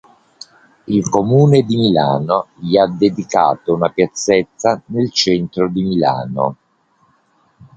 Il Comune di Milano gli ha dedicato una piazzetta nel centro di Milano.